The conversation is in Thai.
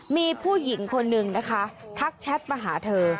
มีผู้หญิงคนนึงนะคะทักแชทมาหาเธอ